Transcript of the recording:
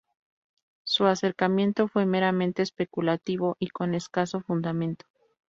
Su acercamiento fue meramente especulativo y con escaso fundamento.